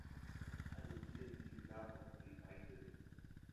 அது சிங்கத்தின் விலாப்புறத்தில் பாய்ந்தது.